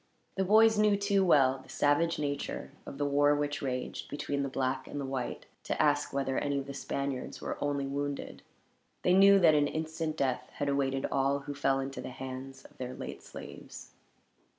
The boys knew, too well, the savage nature of the war which raged, between the black and the white, to ask whether any of the Spaniards were only wounded. They knew that an instant death had awaited all who fell into the hands of their late slaves.